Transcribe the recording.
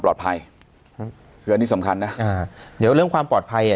คืออันนี้สำคัญนะอ่าเดี๋ยวเรื่องความปลอดภัยอ่ะ